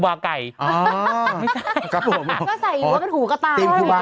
อ๋อก็ใส่อยู่ว่าเป็นหูกระต่าย